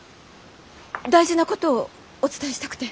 大事なことをお伝えしたくて。